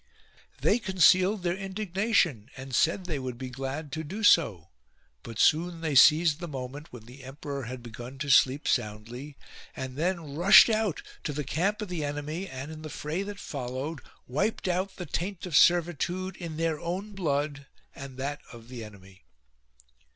They concealed their indignation and said they would be glad to do so ; but soon they seized the moment when the emperor had begun to sleep soundly, and then rushed out to the camp of the enemy and, in the fray that followed, wiped out the taint of servitude in their own blood and that of the enemy.